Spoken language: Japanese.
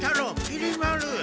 きり丸！